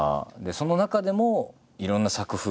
その中でもいろんな作風があって。